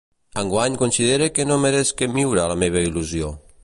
Enguany considere que no meresc que muira la meua il·lusió.